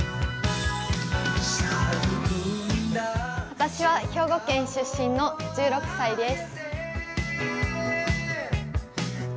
私は兵庫県出身の１６歳です。